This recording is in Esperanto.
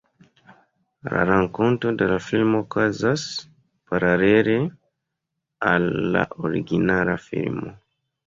La rakonto de la filmo okazas paralele al la originala filmo.